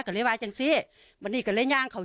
ภรรยาก็บอกว่านายเทวีอ้างว่าไม่จริงนายทองม่วนขโมย